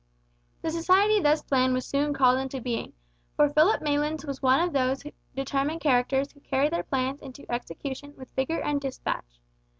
The society thus planned was soon called into being, for Philip Maylands was one of those determined characters who carry their plans into execution with vigour and despatch.